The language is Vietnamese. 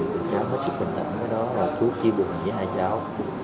vì cháu hết sức bình tĩnh cái đó là thuốc chí bụng với hai cháu